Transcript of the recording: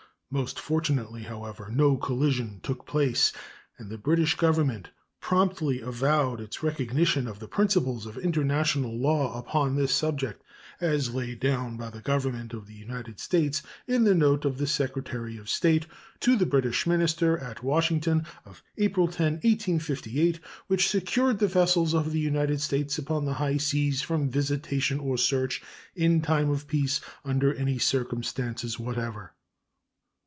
Most fortunately, however, no collision took place, and the British Government promptly avowed its recognition of the principles of international law upon this subject as laid down by the Government of the United States in the note of the Secretary of State to the British minister at Washington of April 10, 1858, which secure the vessels of the United States upon the high seas from visitation or search in time of peace under any circumstances whatever.